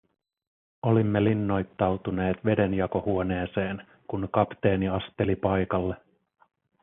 Olimme linnoittautuneet vedenjakohuoneeseen, kun kapteeni asteli paikalle.